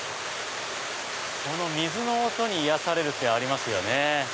この水の音に癒やされるってありますよね。